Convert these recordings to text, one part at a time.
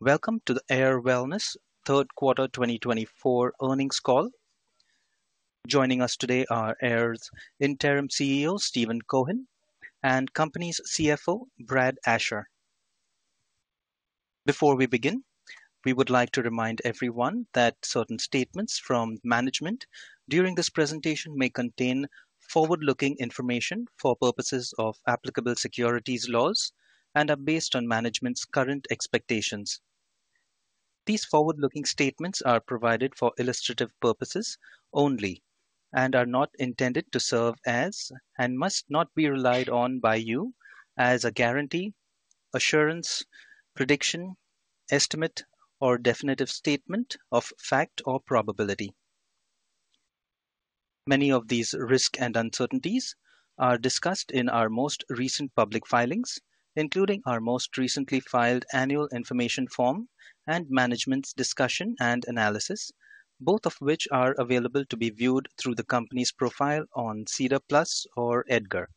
Welcome to the AYR Wellness Q3 2024 earnings call. Joining us today are AYR's Interim CEO, Steven Cohen, and the company's CFO, Brad Asher. Before we begin, we would like to remind everyone that certain statements from management during this presentation may contain forward-looking information for purposes of applicable securities laws and are based on management's current expectations. These forward-looking statements are provided for illustrative purposes only and are not intended to serve as and must not be relied on by you as a guarantee, assurance, prediction, estimate, or definitive statement of fact or probability. Many of these risks and uncertainties are discussed in our most recent public filings, including our most recently filed annual information form and management's discussion and analysis, both of which are available to be viewed through the company's profile on SEDAR+ or EDGAR.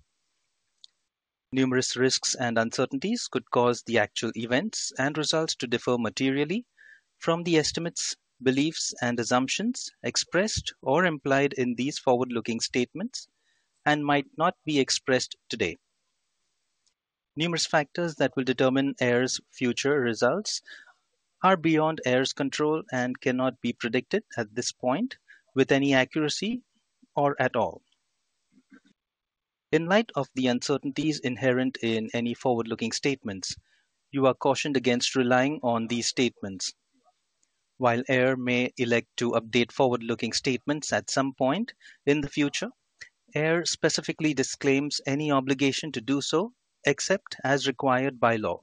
Numerous risks and uncertainties could cause the actual events and results to differ materially from the estimates, beliefs, and assumptions expressed or implied in these forward-looking statements and might not be expressed today. Numerous factors that will determine AYR's future results are beyond AYR's control and cannot be predicted at this point with any accuracy or at all. In light of the uncertainties inherent in any forward-looking statements, you are cautioned against relying on these statements. While AYR may elect to update forward-looking statements at some point in the future, AYR specifically disclaims any obligation to do so except as required by law.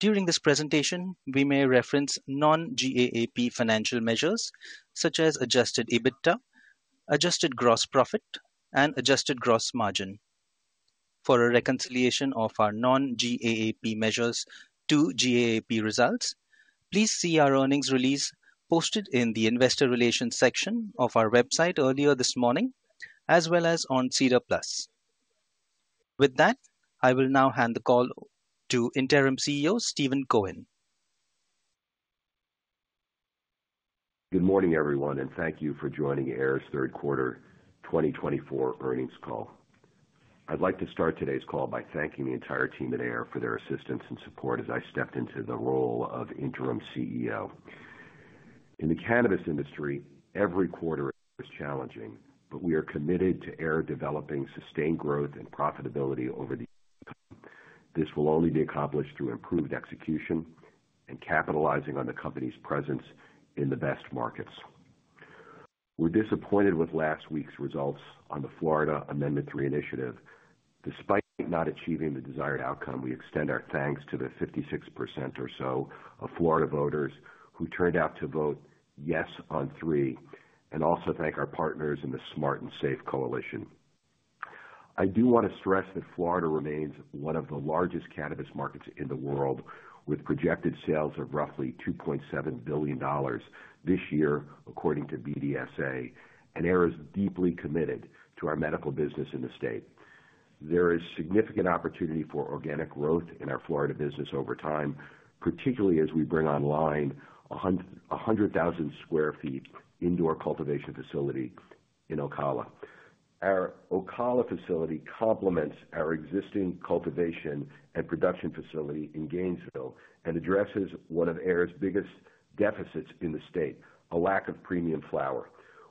During this presentation, we may reference non-GAAP financial measures such as Adjusted EBITDA, Adjusted Gross Profit, and Adjusted Gross Margin. For a reconciliation of our non-GAAP measures to GAAP results, please see our earnings release posted in the Investor Relations section of our website earlier this morning, as well as on SEDAR+. With that, I will now hand the call to Interim CEO, Steven Cohen. Good morning, everyone, and thank you for joining AYR's Q3 2024 earnings call. I'd like to start today's call by thanking the entire team at AYR for their assistance and support as I stepped into the role of Interim CEO. In the cannabis industry, every quarter is challenging, but we are committed to AYR developing sustained growth and profitability over the years. This will only be accomplished through improved execution and capitalizing on the company's presence in the best markets. We're disappointed with last week's results on the Florida Amendment 3 initiative. Despite not achieving the desired outcome, we extend our thanks to the 56% or so of Florida voters who turned out to vote yes on 3, and also thank our partners in the Smart and Safe Coalition. I do want to stress that Florida remains one of the largest cannabis markets in the world, with projected sales of roughly $2.7 billion this year, according to BDSA, and AYR is deeply committed to our medical business in the state. There is significant opportunity for organic growth in our Florida business over time, particularly as we bring online a 100,000 sq ft indoor cultivation facility in Ocala. Our Ocala facility complements our existing cultivation and production facility in Gainesville and addresses one of AYR's biggest deficits in the state: a lack of premium flower.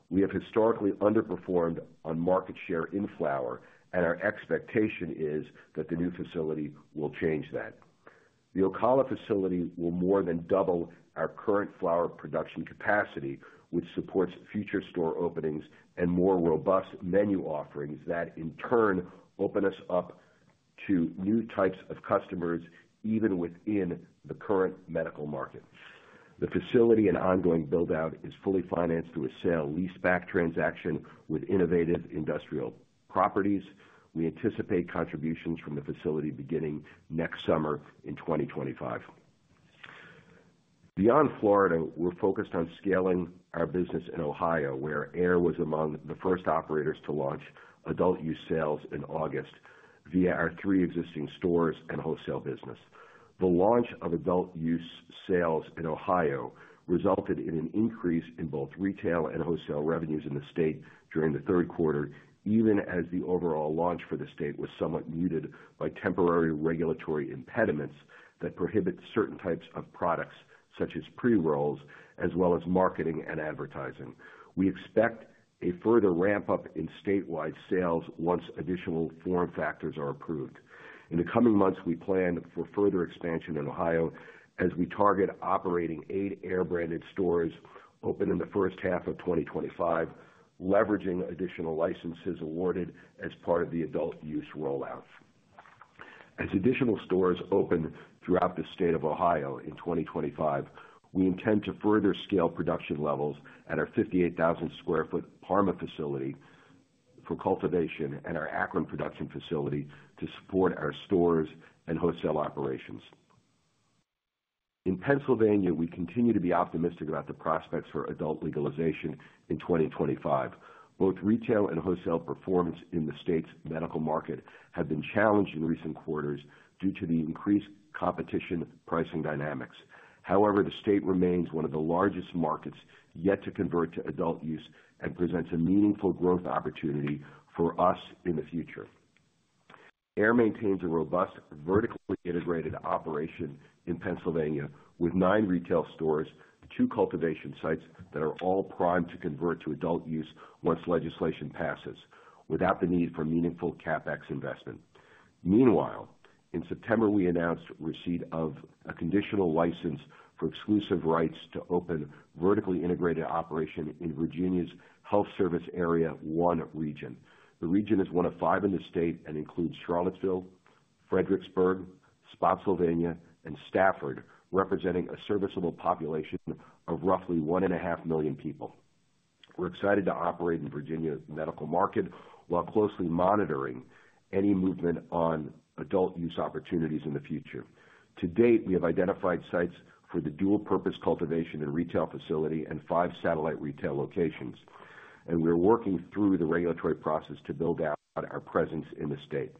We have historically underperformed on market share in flower, and our expectation is that the new facility will change that. The Ocala facility will more than double our current flower production capacity, which supports future store openings and more robust menu offerings that, in turn, open us up to new types of customers even within the current medical market. The facility and ongoing build-out is fully financed through a sale-lease-back transaction with Innovative Industrial Properties. We anticipate contributions from the facility beginning next summer in 2025. Beyond Florida, we're focused on scaling our business in Ohio, where AYR was among the first operators to launch adult use sales in August via our three existing stores and wholesale business. The launch of adult-use sales in Ohio resulted in an increase in both retail and wholesale revenues in the state during the Q3, even as the overall launch for the state was somewhat muted by temporary regulatory impediments that prohibit certain types of products, such as pre-rolls, as well as marketing and advertising. We expect a further ramp-up in statewide sales once additional form factors are approved. In the coming months, we plan for further expansion in Ohio as we target operating eight AYR-branded stores open in the first half of 2025, leveraging additional licenses awarded as part of the adult-use rollout. As additional stores open throughout the state of Ohio in 2025, we intend to further scale production levels at our 58,000 sq ft Parma facility for cultivation and our Akron production facility to support our stores and wholesale operations. In Pennsylvania, we continue to be optimistic about the prospects for adult legalization in 2025. Both retail and wholesale performance in the state's medical market have been challenged in recent quarters due to the increased competition pricing dynamics. However, the state remains one of the largest markets yet to convert to adult use and presents a meaningful growth opportunity for us in the future. AYR maintains a robust vertically integrated operation in Pennsylvania with nine retail stores and two cultivation sites that are all primed to convert to adult use once legislation passes, without the need for meaningful CapEx investment. Meanwhile, in September, we announced receipt of a conditional license for exclusive rights to open vertically integrated operation in Virginia's Health Service Area 1 region. The region is one of five in the state and includes Charlottesville, Fredericksburg, Spotsylvania, and Stafford, representing a serviceable population of roughly 1.5 million people. We're excited to operate in Virginia's medical market while closely monitoring any movement on adult use opportunities in the future. To date, we have identified sites for the dual-purpose cultivation and retail facility and five satellite retail locations, and we're working through the regulatory process to build out our presence in the state.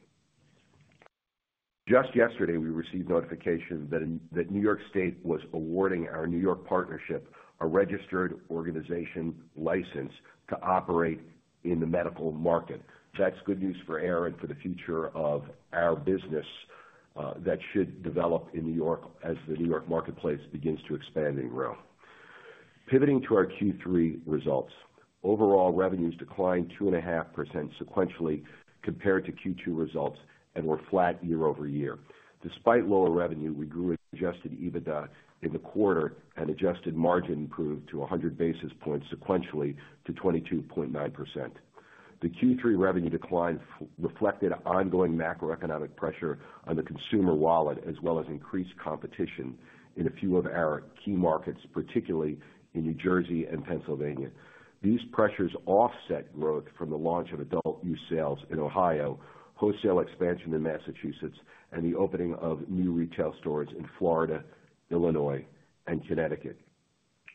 Just yesterday, we received notification that New York State was awarding our New York partnership a Registered Organization license to operate in the medical market. That's good news for AYR and for the future of our business that should develop in New York as the New York marketplace begins to expand and grow. Pivoting to our Q3 results, overall revenues declined 2.5% sequentially compared to Q2 results and were flat year over year. Despite lower revenue, we grew Adjusted EBITDA in the quarter and adjusted margin improved to 100 basis points sequentially to 22.9%. The Q3 revenue decline reflected ongoing macroeconomic pressure on the consumer wallet as well as increased competition in a few of our key markets, particularly in New Jersey and Pennsylvania. These pressures offset growth from the launch of adult use sales in Ohio, wholesale expansion in Massachusetts, and the opening of new retail stores in Florida, Illinois, and Connecticut.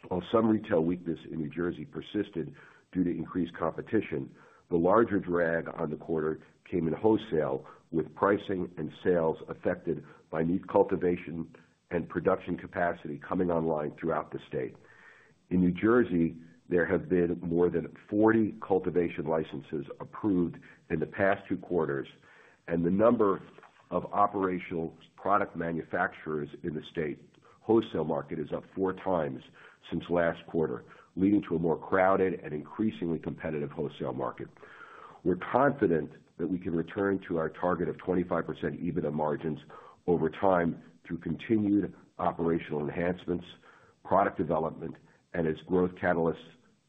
While some retail weakness in New Jersey persisted due to increased competition, the larger drag on the quarter came in wholesale, with pricing and sales affected by new cultivation and production capacity coming online throughout the state. In New Jersey, there have been more than 40 cultivation licenses approved in the past two quarters, and the number of operational product manufacturers in the state wholesale market is up four times since last quarter, leading to a more crowded and increasingly competitive wholesale market. We're confident that we can return to our target of 25% EBITDA margins over time through continued operational enhancements, product development, and as growth catalysts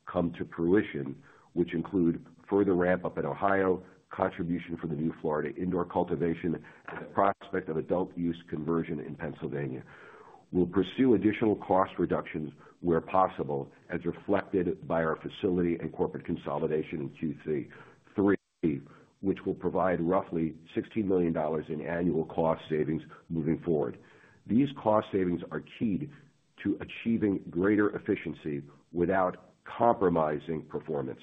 come to fruition, which include further ramp-up in Ohio, contribution for the new Florida indoor cultivation, and the prospect of adult use conversion in Pennsylvania. We'll pursue additional cost reductions where possible, as reflected by our facility and corporate consolidation in Q3, which will provide roughly $16 million in annual cost savings moving forward. These cost savings are keyed to achieving greater efficiency without compromising performance.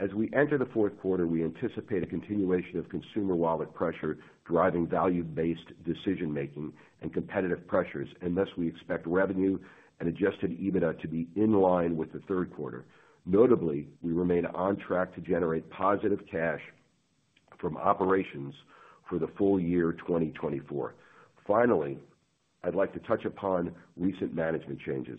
As we enter the Q4, we anticipate a continuation of consumer wallet pressure driving value-based decision-making and competitive pressures, and thus we expect revenue and adjusted EBITDA to be in line with the Q3. Notably, we remain on track to generate positive cash from operations for the full year 2024. Finally, I'd like to touch upon recent management changes.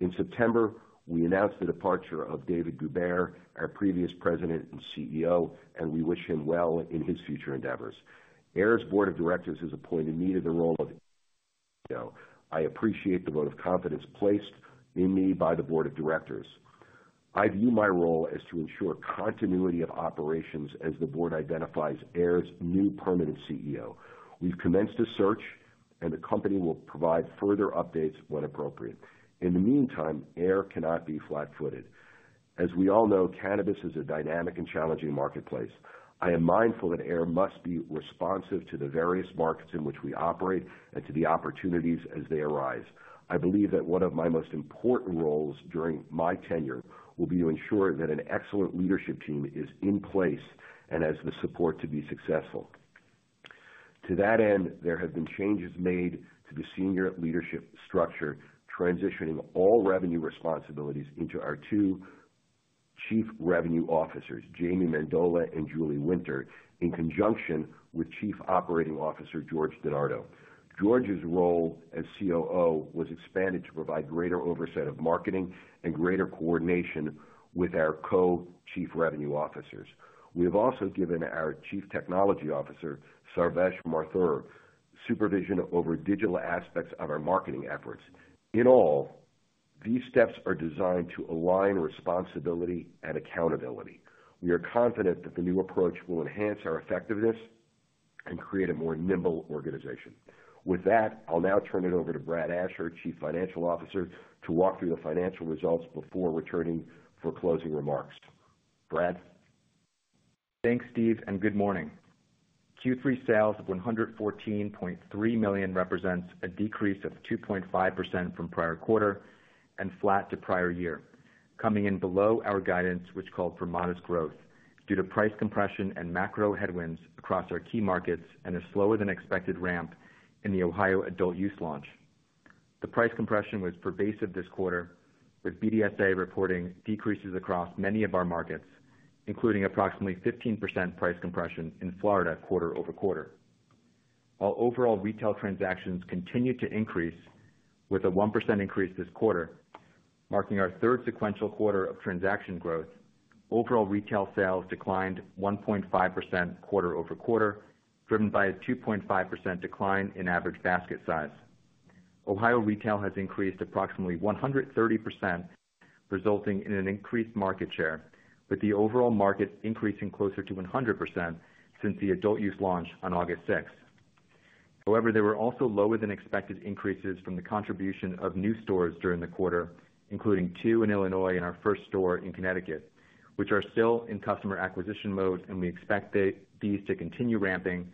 In September, we announced the departure of David Goubert, our previous President and CEO, and we wish him well in his future endeavors. AYR's board of directors has appointed me to the role of CEO. I appreciate the vote of confidence placed in me by the board of directors. I view my role as to ensure continuity of operations as the board identifies AYR's new permanent CEO. We've commenced a search, and the company will provide further updates when appropriate. In the meantime, AYR cannot be flat-footed. As we all know, cannabis is a dynamic and challenging marketplace. I am mindful that AYR must be responsive to the various markets in which we operate and to the opportunities as they arise. I believe that one of my most important roles during my tenure will be to ensure that an excellent leadership team is in place and has the support to be successful. To that end, there have been changes made to the senior leadership structure, transitioning all revenue responsibilities into our two Chief Revenue Officers, Jamie Mendola and Julie Winter, in conjunction with Chief Operating Officer George DeNardo. George's role as COO was expanded to provide greater oversight of marketing and greater coordination with our Co-Chief Revenue Officers. We have also given our Chief Technology Officer, Sarvesh Mathur, supervision over digital aspects of our marketing efforts. In all, these steps are designed to align responsibility and accountability. We are confident that the new approach will enhance our effectiveness and create a more nimble organization. With that, I'll now turn it over to Brad Asher, Chief Financial Officer, to walk through the financial results before returning for closing remarks. Brad. Thanks, Steve, and good morning. Q3 sales of $114.3 million represents a decrease of 2.5% from prior quarter and flat to prior year, coming in below our guidance, which called for modest growth due to price compression and macro headwinds across our key markets and a slower-than-expected ramp in the Ohio adult use launch. The price compression was pervasive this quarter, with BDSA reporting decreases across many of our markets, including approximately 15% price compression in Florida quarter over quarter. While overall retail transactions continued to increase with a 1% increase this quarter, marking our third sequential quarter of transaction growth, overall retail sales declined 1.5% quarter over quarter, driven by a 2.5% decline in average basket size. Ohio retail has increased approximately 130%, resulting in an increased market share, with the overall market increasing closer to 100% since the adult use launch on August 6. However, there were also lower-than-expected increases from the contribution of new stores during the quarter, including two in Illinois and our first store in Connecticut, which are still in customer acquisition mode, and we expect these to continue ramping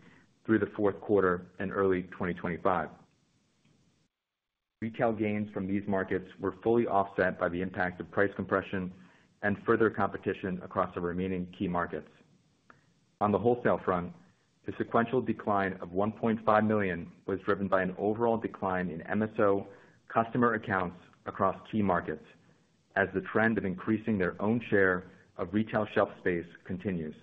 through the Q4 and early 2025. Retail gains from these markets were fully offset by the impact of price compression and further competition across the remaining key markets. On the wholesale front, the sequential decline of $1.5 million was driven by an overall decline in MSO customer accounts across key markets, as the trend of increasing their own share of retail shelf space continues.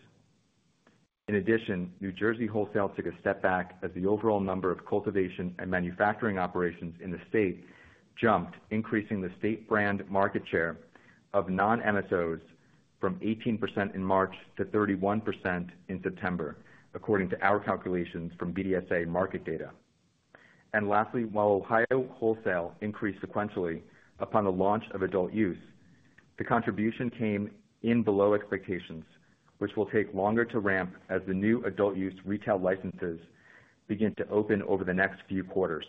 In addition, New Jersey wholesale took a step back as the overall number of cultivation and manufacturing operations in the state jumped, increasing the state-brand market share of non-MSOs from 18% in March to 31% in September, according to our calculations from BDSA market data. And lastly, while Ohio wholesale increased sequentially upon the launch of adult use, the contribution came in below expectations, which will take longer to ramp as the new adult use retail licenses begin to open over the next few quarters.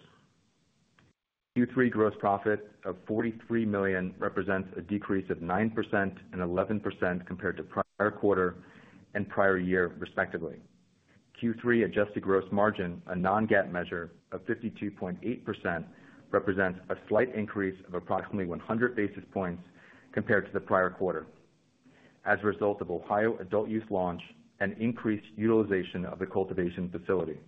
Q3 gross profit of $43 million represents a decrease of 9% and 11% compared to prior quarter and prior year, respectively. Q3 adjusted gross margin, a non-GAAP measure of 52.8%, represents a slight increase of approximately 100 basis points compared to the prior quarter, as a result of Ohio adult use launch and increased utilization of the cultivation facility,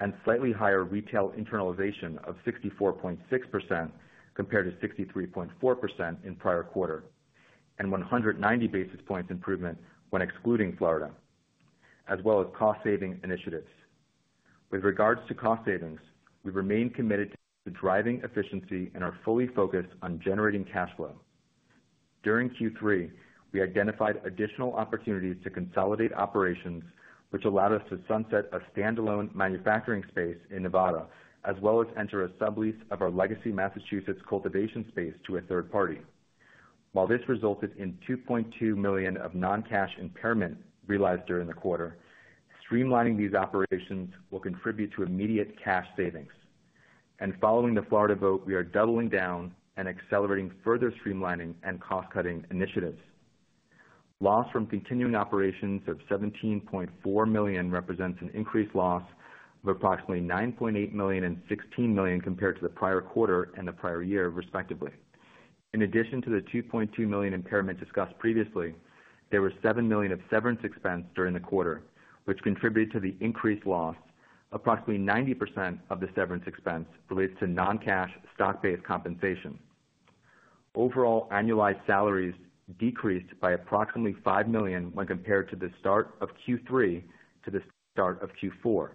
and slightly higher retail internalization of 64.6% compared to 63.4% in prior quarter, and 190 basis points improvement when excluding Florida, as well as cost-saving initiatives. With regards to cost savings, we remain committed to driving efficiency and are fully focused on generating cash flow. During Q3, we identified additional opportunities to consolidate operations, which allowed us to sunset a standalone manufacturing space in Nevada, as well as enter a sublease of our legacy Massachusetts cultivation space to a third party. While this resulted in $2.2 million of non-cash impairment realized during the quarter, streamlining these operations will contribute to immediate cash savings, and following the Florida vote, we are doubling down and accelerating further streamlining and cost-cutting initiatives. Loss from continuing operations of $17.4 million represents an increased loss of approximately $9.8 million and $16 million compared to the prior quarter and the prior year, respectively. In addition to the $2.2 million impairment discussed previously, there were $7 million of severance expense during the quarter, which contributed to the increased loss. Approximately 90% of the severance expense relates to non-cash stock-based compensation. Overall, annualized salaries decreased by approximately $5 million when compared to the start of Q3 to the start of Q4,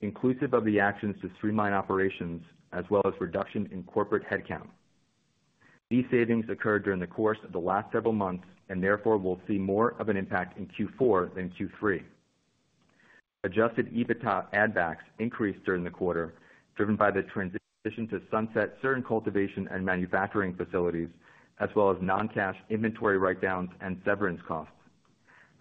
inclusive of the actions to streamline operations as well as reduction in corporate headcount. These savings occurred during the course of the last several months and therefore will see more of an impact in Q4 than Q3. Adjusted EBITDA add-backs increased during the quarter, driven by the transition to sunset certain cultivation and manufacturing facilities, as well as non-cash inventory write-downs and severance costs.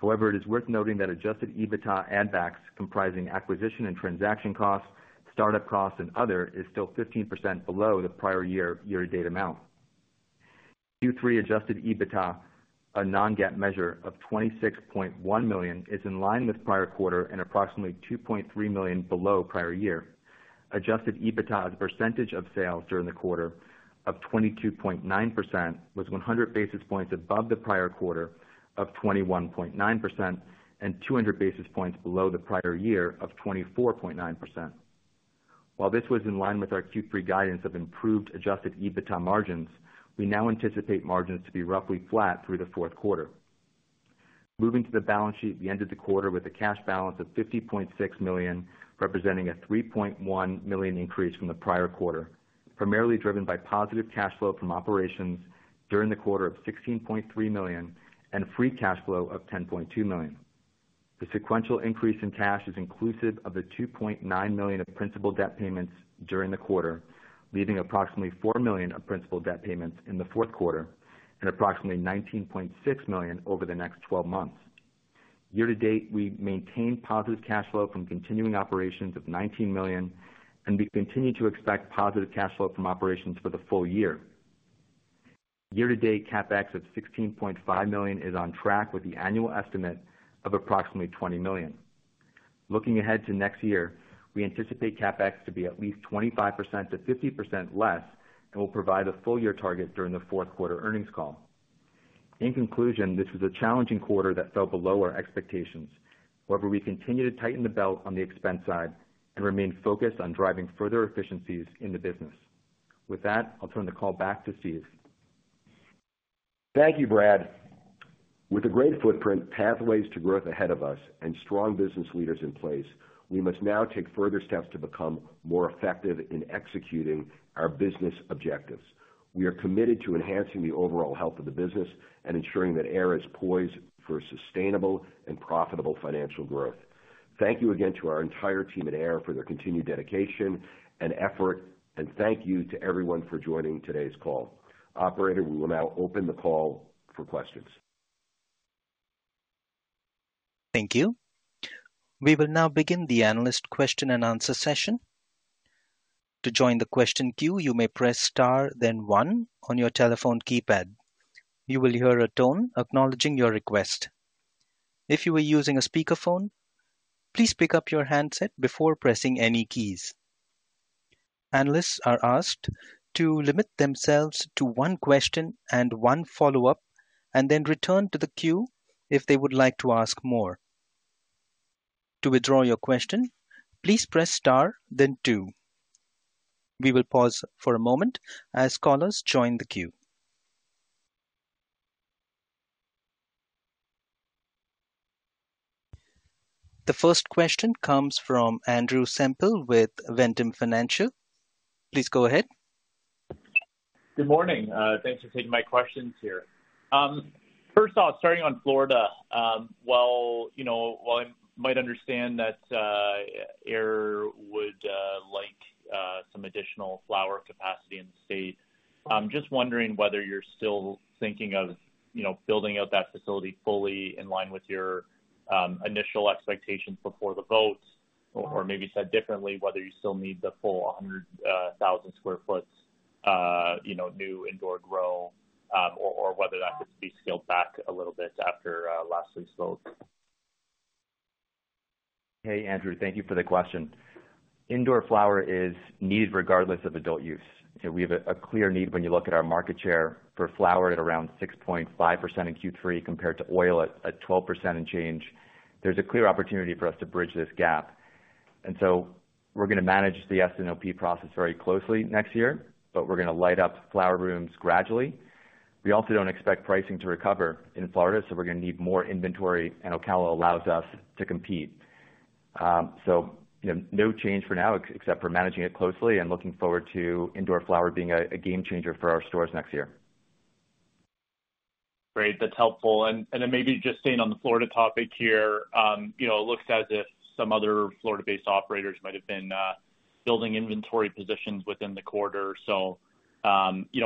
However, it is worth noting that adjusted EBITDA add-backs, comprising acquisition and transaction costs, startup costs, and other, are still 15% below the prior year year-to-date amount. Q3 adjusted EBITDA, a non-GAAP measure of $26.1 million, is in line with prior quarter and approximately $2.3 million below prior year. Adjusted EBITDA as a percentage of sales during the quarter of 22.9% was 100 basis points above the prior quarter of 21.9% and 200 basis points below the prior year of 24.9%. While this was in line with our Q3 guidance of improved adjusted EBITDA margins, we now anticipate margins to be roughly flat through the Q4. Moving to the balance sheet, we ended the quarter with a cash balance of $50.6 million, representing a $3.1 million increase from the prior quarter, primarily driven by positive cash flow from operations during the quarter of $16.3 million and free cash flow of $10.2 million. The sequential increase in cash is inclusive of the $2.9 million of principal debt payments during the quarter, leaving approximately $4 million of principal debt payments in the Q4 and approximately $19.6 million over the next 12 months. Year-to-date, we maintain positive cash flow from continuing operations of $19 million, and we continue to expect positive cash flow from operations for the full year. Year-to-date CapEx of $16.5 million is on track with the annual estimate of approximately $20 million. Looking ahead to next year, we anticipate CapEx to be at least 25% to 50% less and will provide a full-year target during the Q4 earnings call. In conclusion, this was a challenging quarter that fell below our expectations. However, we continue to tighten the belt on the expense side and remain focused on driving further efficiencies in the business. With that, I'll turn the call back to Steve. Thank you, Brad. With a great footprint, pathways to growth ahead of us, and strong business leaders in place, we must now take further steps to become more effective in executing our business objectives. We are committed to enhancing the overall health of the business and ensuring that AYR is poised for sustainable and profitable financial growth. Thank you again to our entire team at AYR for their continued dedication and effort, and thank you to everyone for joining today's call. Operator, we will now open the call for questions. Thank you. We will now begin the analyst question and answer session. To join the question queue, you may press star, then one on your telephone keypad. You will hear a tone acknowledging your request. If you are using a speakerphone, please pick up your handset before pressing any keys. Analysts are asked to limit themselves to one question and one follow-up, and then return to the queue if they would like to ask more. To withdraw your question, please press star, then two. We will pause for a moment as callers join the queue. The first question comes from Andrew Semple with Ventum Financial. Please go ahead. Good morning. Thanks for taking my questions here. First off, starting on Florida, while I might understand that AYR would like some additional flower capacity in the state, I'm just wondering whether you're still thinking of building out that facility fully in line with your initial expectations before the vote, or maybe said differently, whether you still need the full 100,000 square ft new indoor grow, or whether that could be scaled back a little bit after last week's vote. Hey, Andrew. Thank you for the question. Indoor flower is needed regardless of adult use. We have a clear need when you look at our market share for flower at around 6.5% in Q3 compared to oil at 12% and change. There's a clear opportunity for us to bridge this gap, and so we're going to manage the S&OP process very closely next year, but we're going to light up flower rooms gradually. We also don't expect pricing to recover in Florida, so we're going to need more inventory, and Ocala allows us to compete, so no change for now except for managing it closely and looking forward to indoor flower being a game changer for our stores next year. Great. That's helpful, and then maybe just staying on the Florida topic here, it looks as if some other Florida-based operators might have been building inventory positions within the quarter, so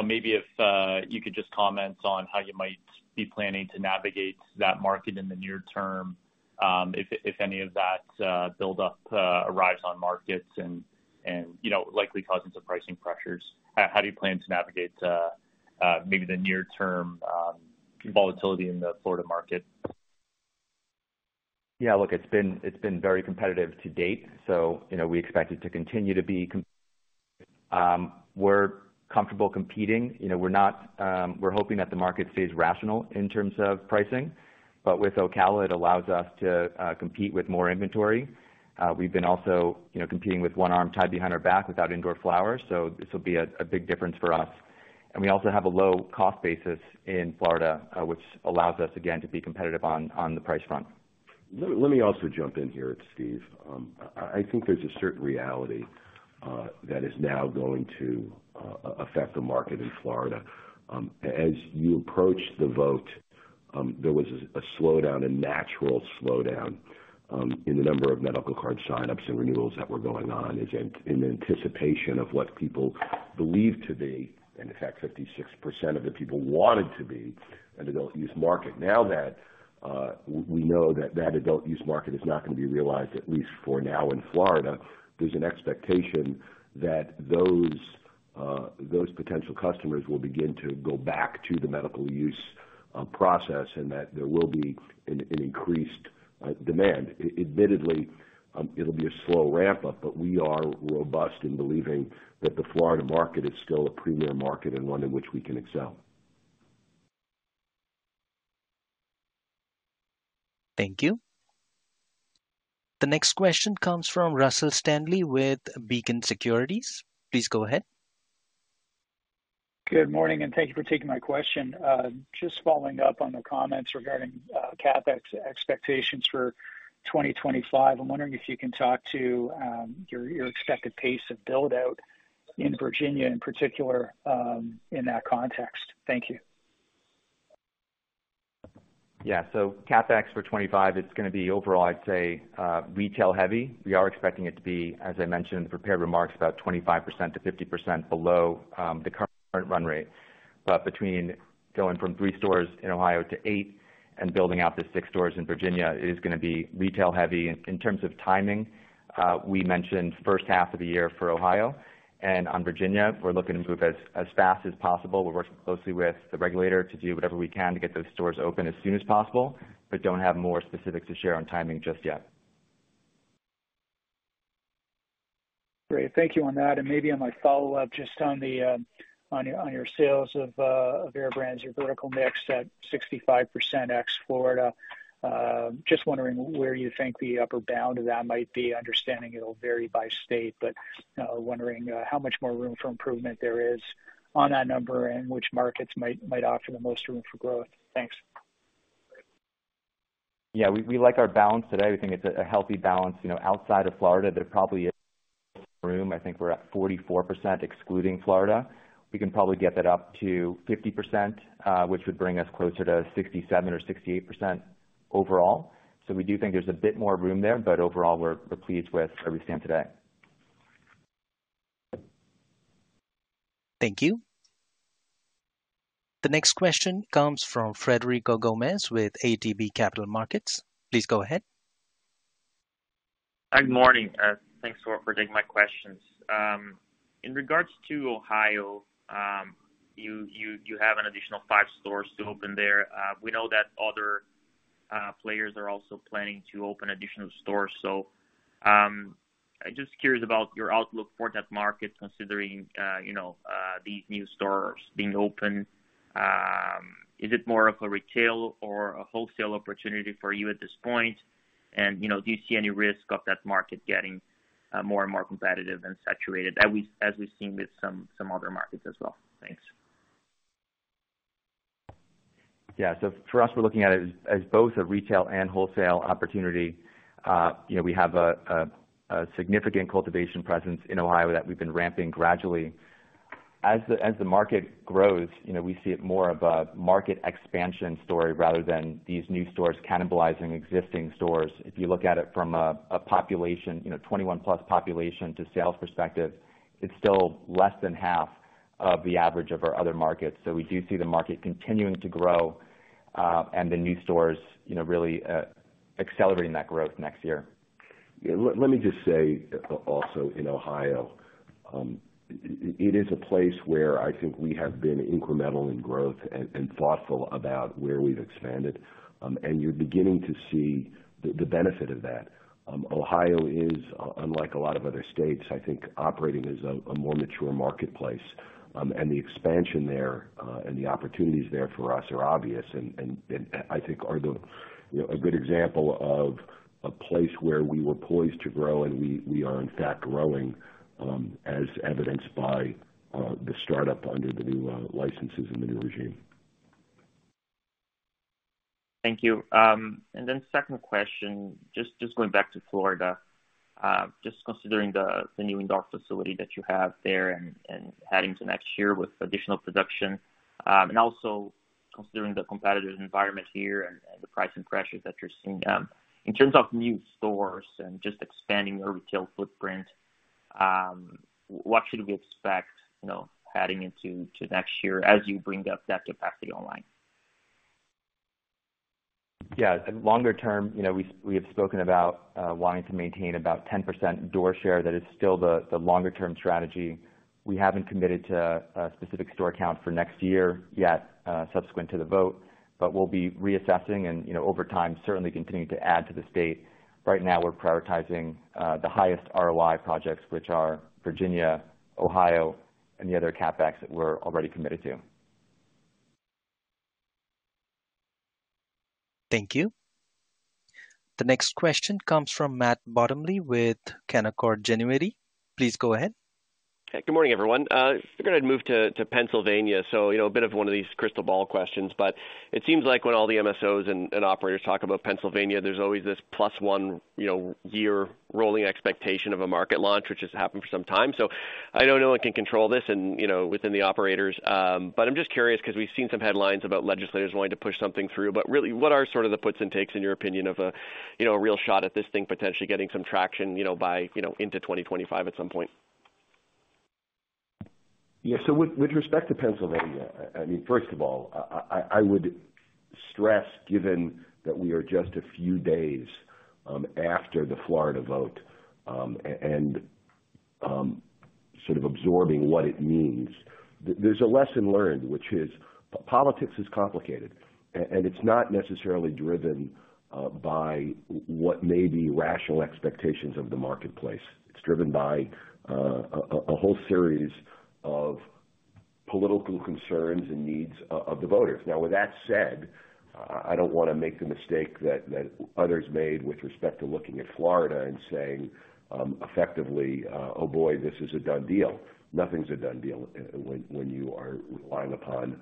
maybe if you could just comment on how you might be planning to navigate that market in the near term, if any of that buildup arrives on markets and likely causing some pricing pressures, how do you plan to navigate maybe the near-term volatility in the Florida market? Yeah. Look, it's been very competitive to date, so we expect it to continue to be. We're comfortable competing. We're hoping that the market stays rational in terms of pricing, but with Ocala, it allows us to compete with more inventory. We've been also competing with one arm tied behind our back without indoor flowers, so this will be a big difference for us. And we also have a low cost basis in Florida, which allows us, again, to be competitive on the price front. Let me also jump in here at Steve. I think there's a certain reality that is now going to affect the market in Florida. As you approach the vote, there was a slowdown, a natural slowdown in the number of medical card signups and renewals that were going on in anticipation of what people believed to be, and in fact, 56% of the people wanted to be, an adult use market. Now that we know that that adult use market is not going to be realized, at least for now in Florida, there's an expectation that those potential customers will begin to go back to the medical use process and that there will be an increased demand. Admittedly, it'll be a slow ramp-up, but we are robust in believing that the Florida market is still a premier market and one in which we can excel. Thank you. The next question comes from Russell Stanley with Beacon Securities. Please go ahead. Good morning, and thank you for taking my question. Just following up on the comments regarding CapEx expectations for 2025, I'm wondering if you can talk to your expected pace of build-out in Virginia in particular in that context. Thank you. Yeah. CapEx for 2025, it's going to be overall, I'd say, retail-heavy. We are expecting it to be, as I mentioned in the prepared remarks, about 25%-50% below the current run rate. Between going from three stores in Ohio to eight and building out to six stores in Virginia, it is going to be retail-heavy. In terms of timing, we mentioned first half of the year for Ohio, and on Virginia, we're looking to move as fast as possible. We're working closely with the regulator to do whatever we can to get those stores open as soon as possible, but don't have more specifics to share on timing just yet. Great. Thank you on that. And maybe on my follow-up, just on your sales of AYR Brands, your vertical mix at 65% ex-Florida, just wondering where you think the upper bound of that might be, understanding it'll vary by state, but wondering how much more room for improvement there is on that number and which markets might offer the most room for growth. Thanks. Yeah. We like our balance today. We think it's a healthy balance. Outside of Florida, there probably is room. I think we're at 44% excluding Florida. We can probably get that up to 50%, which would bring us closer to 67% or 68% overall. So we do think there's a bit more room there, but overall, we're pleased with where we stand today. Thank you. The next question comes from Frederico Gomes with ATB Capital Markets. Please go ahead. Good morning. Thanks for taking my questions. In regards to Ohio, you have an additional five stores to open there. We know that other players are also planning to open additional stores. So I'm just curious about your outlook for that market, considering these new stores being open. Is it more of a retail or a wholesale opportunity for you at this point? And do you see any risk of that market getting more and more competitive and saturated, as we've seen with some other markets as well? Thanks. Yeah, so for us, we're looking at it as both a retail and wholesale opportunity. We have a significant cultivation presence in Ohio that we've been ramping gradually. As the market grows, we see it more of a market expansion story rather than these new stores cannibalizing existing stores. If you look at it from a population, 21-plus population to sales perspective, it's still less than half of the average of our other markets. So we do see the market continuing to grow and the new stores really accelerating that growth next year. Yeah. Let me just say also in Ohio, it is a place where I think we have been incremental in growth and thoughtful about where we've expanded, and you're beginning to see the benefit of that. Ohio is, unlike a lot of other states, I think, operating as a more mature marketplace, and the expansion there and the opportunities there for us are obvious, and I think are a good example of a place where we were poised to grow, and we are, in fact, growing, as evidenced by the startup under the new licenses and the new regime. Thank you. And then second question, just going back to Florida, just considering the new indoor facility that you have there and heading to next year with additional production, and also considering the competitive environment here and the pricing pressures that you're seeing, in terms of new stores and just expanding your retail footprint, what should we expect heading into next year as you bring up that capacity online? Yeah. Longer term, we have spoken about wanting to maintain about 10% door share. That is still the longer-term strategy. We haven't committed to a specific store count for next year yet, subsequent to the vote, but we'll be reassessing and over time certainly continuing to add to the state. Right now, we're prioritizing the highest ROI projects, which are Virginia, Ohio, and the other CapEx that we're already committed to. Thank you. The next question comes from Matt Bottomley with Canaccord Genuity. Please go ahead. Okay. Good morning, everyone. We're going to move to Pennsylvania. So a bit of one of these crystal ball questions, but it seems like when all the MSOs and operators talk about Pennsylvania, there's always this plus one year rolling expectation of a market launch, which has happened for some time. So I know no one can control this within the operators, but I'm just curious because we've seen some headlines about legislators wanting to push something through, but really, what are sort of the puts and takes, in your opinion, of a real shot at this thing potentially getting some traction buy into 2025 at some point? Yeah. So with respect to Pennsylvania, I mean, first of all, I would stress, given that we are just a few days after the Florida vote and sort of absorbing what it means, there's a lesson learned, which is politics is complicated, and it's not necessarily driven by what may be rational expectations of the marketplace. It's driven by a whole series of political concerns and needs of the voters. Now, with that said, I don't want to make the mistake that others made with respect to looking at Florida and saying effectively, "Oh boy, this is a done deal." Nothing's a done deal when you are relying upon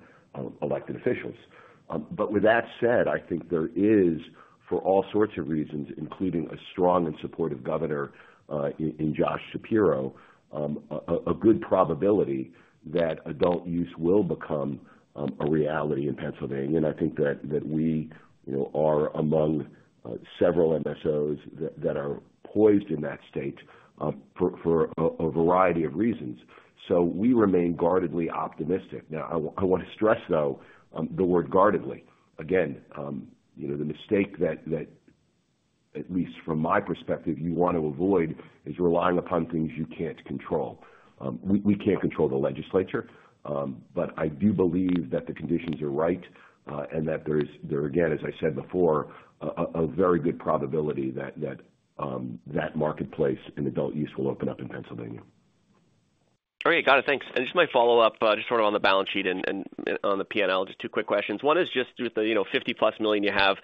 elected officials. But with that said, I think there is, for all sorts of reasons, including a strong and supportive governor in Josh Shapiro, a good probability that adult use will become a reality in Pennsylvania. And I think that we are among several MSOs that are poised in that state for a variety of reasons. So we remain guardedly optimistic. Now, I want to stress, though, the word guardedly. Again, the mistake that, at least from my perspective, you want to avoid is relying upon things you can't control. We can't control the legislature, but I do believe that the conditions are right and that there is, again, as I said before, a very good probability that that marketplace and adult use will open up in Pennsylvania. All right. Got it. Thanks. And just my follow-up, just sort of on the balance sheet and on the P&L, just two quick questions. One is just with the $50-plus million you have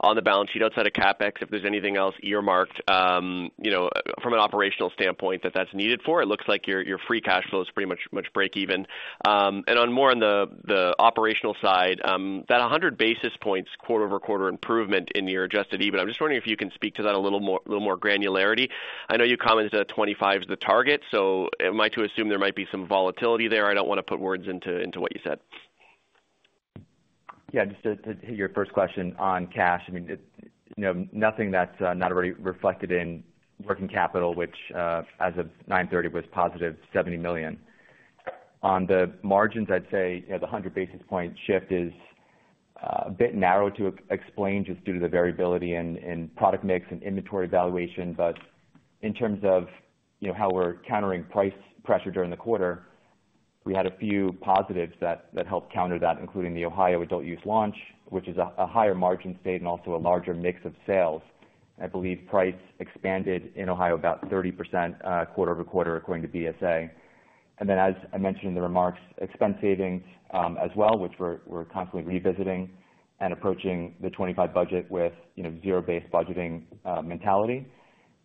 on the balance sheet outside of CapEx, if there's anything else earmarked from an operational standpoint that that's needed for, it looks like your free cash flow is pretty much break-even. And more on the operational side, that 100 basis points quarter-over-quarter improvement in your Adjusted EBITDA, I'm just wondering if you can speak to that in a little more granularity. I know you commented that 25 is the target, so am I to assume there might be some volatility there? I don't want to put words into what you said. Yeah. Just to hit your first question on cash, I mean, nothing that's not already reflected in working capital, which as of 9/30 was positive $70 million. On the margins, I'd say the 100 basis points shift is a bit narrow to explain just due to the variability in product mix and inventory valuation. But in terms of how we're countering price pressure during the quarter, we had a few positives that helped counter that, including the Ohio adult-use launch, which is a higher margin state and also a larger mix of sales. I believe price expanded in Ohio about 30% quarter-over-quarter, according to BDSA. And then, as I mentioned in the remarks, expense savings as well, which we're constantly revisiting and approaching the 2025 budget with zero-based budgeting mentality.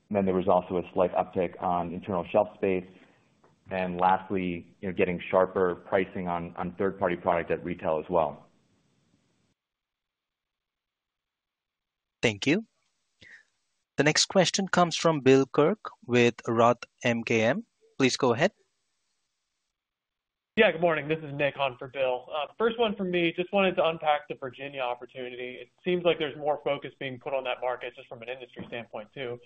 And then there was also a slight uptick on internal shelf space. And lastly, getting sharper pricing on third-party product at retail as well. Thank you. The next question comes from Bill Kirk with Roth MKM. Please go ahead. Yeah. Good morning. This is Nick on for Bill. First one for me, just wanted to unpack the Virginia opportunity. It seems like there's more focus being put on that market just from an industry standpoint too.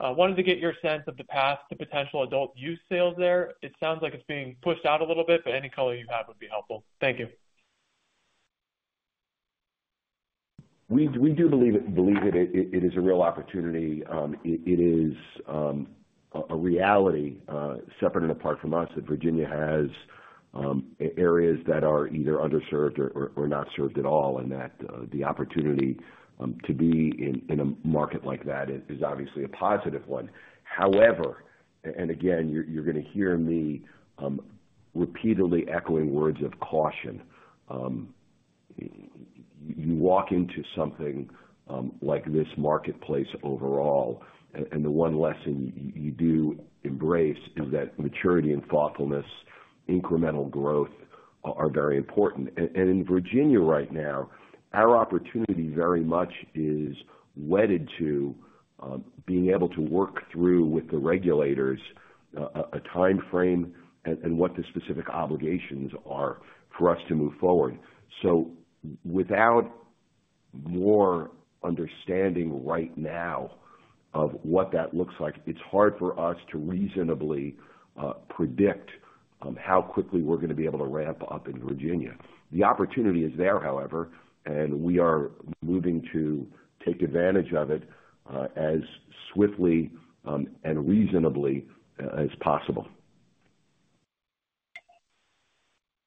Wanted to get your sense of the path to potential adult use sales there. It sounds like it's being pushed out a little bit, but any color you have would be helpful. Thank you. We do believe it is a real opportunity. It is a reality separate and apart from us that Virginia has areas that are either underserved or not served at all, and that the opportunity to be in a market like that is obviously a positive one. However, and again, you're going to hear me repeatedly echoing words of caution. You walk into something like this marketplace overall, and the one lesson you do embrace is that maturity and thoughtfulness, incremental growth are very important. And in Virginia right now, our opportunity very much is wedded to being able to work through with the regulators a timeframe and what the specific obligations are for us to move forward. So without more understanding right now of what that looks like, it's hard for us to reasonably predict how quickly we're going to be able to ramp up in Virginia. The opportunity is there, however, and we are moving to take advantage of it as swiftly and reasonably as possible.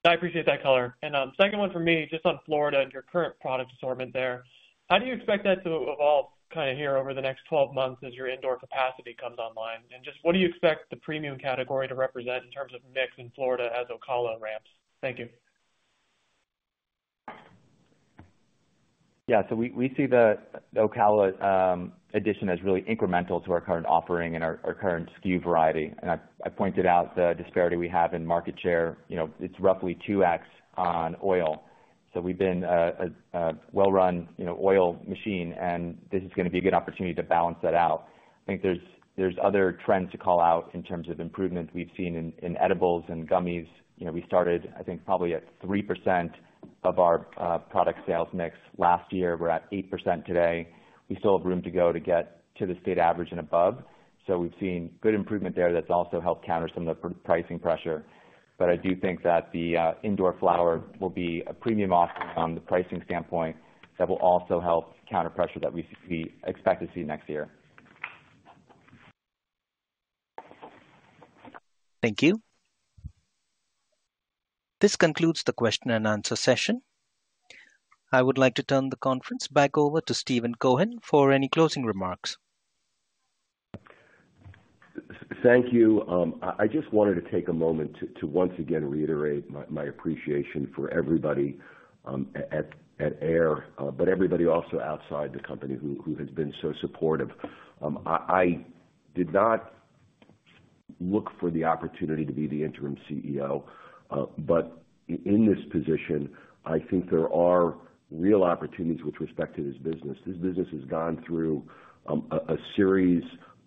I appreciate that color. And second one for me, just on Florida and your current product assortment there, how do you expect that to evolve kind of here over the next 12 months as your indoor capacity comes online? And just what do you expect the premium category to represent in terms of mix in Florida as Ocala ramps? Thank you. Yeah. So we see the Ocala addition as really incremental to our current offering and our current SKU variety. And I pointed out the disparity we have in market share. It's roughly 2x on oil. So we've been a well-run oil machine, and this is going to be a good opportunity to balance that out. I think there's other trends to call out in terms of improvement. We've seen in edibles and gummies, we started, I think, probably at 3% of our product sales mix last year. We're at 8% today. We still have room to go to get to the state average and above. So we've seen good improvement there that's also helped counter some of the pricing pressure. But I do think that the indoor flower will be a premium offer from the pricing standpoint that will also help counter pressure that we expect to see next year. Thank you. This concludes the question and answer session. I would like to turn the conference back over to Steven Cohen for any closing remarks. Thank you. I just wanted to take a moment to once again reiterate my appreciation for everybody at AYR, but everybody also outside the company who has been so supportive. I did not look for the opportunity to be the Interim CEO, but in this position, I think there are real opportunities with respect to this business. This business has gone through a series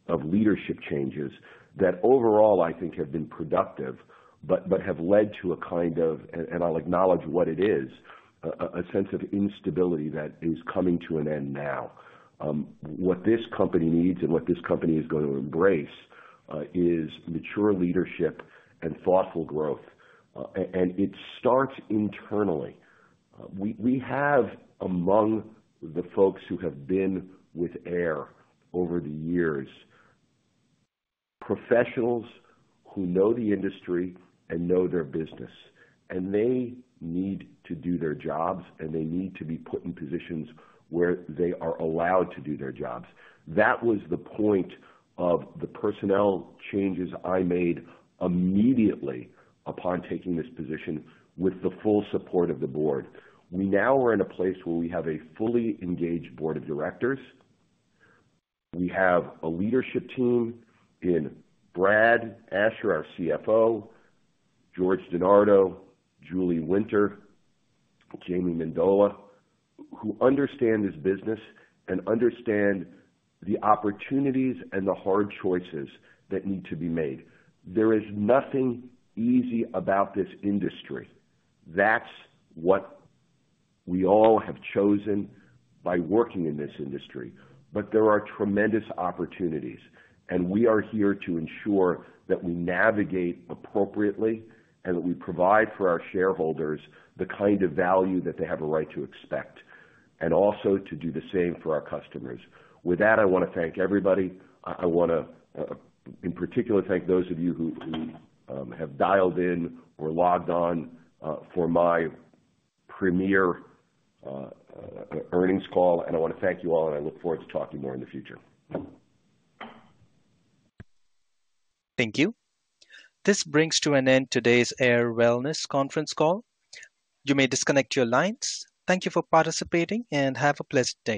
of leadership changes that overall, I think, have been productive but have led to a kind of, and I'll acknowledge what it is, a sense of instability that is coming to an end now. What this company needs and what this company is going to embrace is mature leadership and thoughtful growth, and it starts internally. We have, among the folks who have been with AYR over the years, professionals who know the industry and know their business, and they need to do their jobs, and they need to be put in positions where they are allowed to do their jobs. That was the point of the personnel changes I made immediately upon taking this position with the full support of the board. We now are in a place where we have a fully engaged board of directors. We have a leadership team in Brad Asher, our CFO, George DeNardo, Julie Winter, Jamie Mendola, who understand this business and understand the opportunities and the hard choices that need to be made. There is nothing easy about this industry. That's what we all have chosen by working in this industry. But there are tremendous opportunities, and we are here to ensure that we navigate appropriately and that we provide for our shareholders the kind of value that they have a right to expect and also to do the same for our customers. With that, I want to thank everybody. I want to, in particular, thank those of you who have dialed in or logged on for my premier earnings call. And I want to thank you all, and I look forward to talking more in the future. Thank you. This brings to an end today's AYR Wellness Conference call. You may disconnect your lines. Thank you for participating, and have a pleasant day.